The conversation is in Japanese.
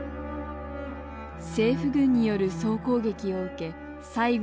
政府軍による総攻撃を受け西郷は自刃。